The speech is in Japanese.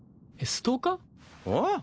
えっストーカー？